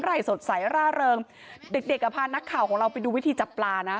ไหล่สดใสร่าเริงเด็กเด็กอ่ะพานักข่าวของเราไปดูวิธีจับปลานะ